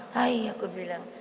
hai aku bilang